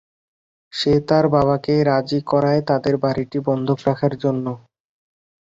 সে তার বাবাকে রাজি করায় তাদের বাড়িটি বন্ধক রাখার জন্য।